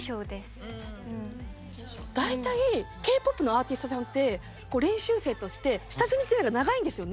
大体Ｋ−ＰＯＰのアーティストさんってこう練習生として下積み時代が長いんですよね。